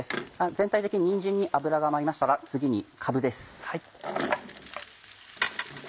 全体的ににんじんに油が回りましたら次にかぶです。